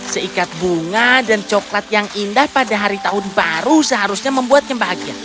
seikat bunga dan coklat yang indah pada hari tahun baru seharusnya membuatnya bahagia